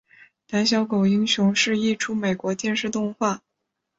胆小狗英雄是一出美国电视动画。